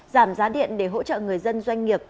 giảm giá điện để hỗ trợ người dân doanh nghiệp